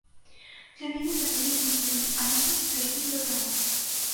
Для мяне гэта вельмі дзіўна, але мне цяпер не да таго.